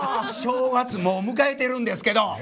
正月もう迎えてるんですけど。